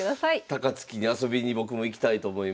高槻に遊びに僕も行きたいと思います。